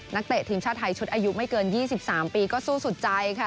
เตะทีมชาติไทยชุดอายุไม่เกิน๒๓ปีก็สู้สุดใจค่ะ